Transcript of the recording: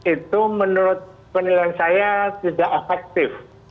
itu menurut penilaian saya tidak efektif